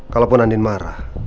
kalaupun andin marah